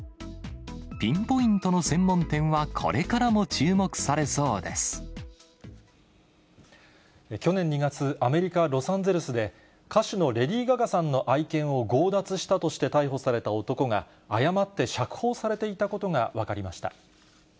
ピンポイントの専門店はこれ去年２月、アメリカ・ロサンゼルスで、歌手のレディー・ガガさんの愛犬を強奪したとして逮捕された男が、誤って釈放されていたことが分かりました。